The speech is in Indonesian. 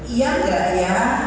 iya enggak ya